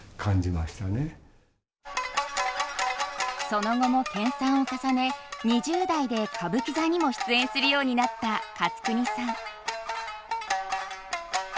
その後も研鑽を重ね２０代で歌舞伎座にも出演するようになった勝国さん。